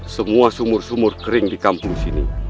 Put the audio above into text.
semua sumur sumur kering di kampung sini